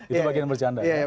itu bagian yang bercanda